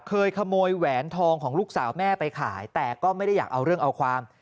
เคยขโมยแหวนทองของลูกสาวแม่ไปขายแต่ก็ไม่ได้อยากเอาเรื่องเอาความ